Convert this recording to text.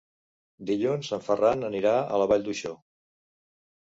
Dilluns en Ferran anirà a la Vall d'Uixó.